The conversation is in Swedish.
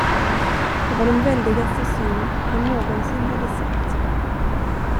Det var den väldigaste syn han någonsin hade sett.